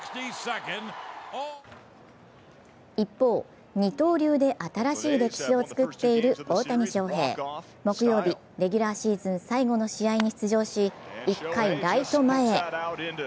一方、二刀流で新しい歴史を作っている大谷翔平。木曜日、レギュラーシーズン最後の試合に出場し、１回、ライト前へ。